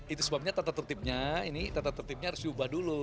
itu sebabnya tata tertibnya ini tata tertibnya harus diubah dulu